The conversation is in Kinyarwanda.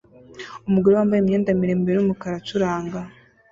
Umugore wambaye imyenda miremire yumukara acuranga